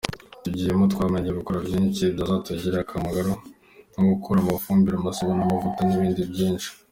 Tugiyemo twamenya gukora byinshi byazatugirira akamaro nko gukora amafumbire, amasabune, amavuta n’ibindi byinshi.